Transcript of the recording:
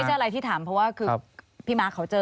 คือไม่ใช่อะไรที่ถามเพราะว่าพี่มาร์คเขาเจอ